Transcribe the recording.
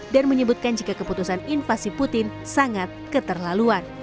dan menyebutkan jika keputusan invasi putin sangat keterlaluan